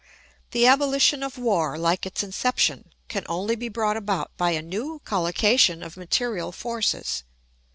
] The abolition of war, like its inception, can only be brought about by a new collocation of material forces.